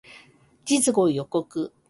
次号予告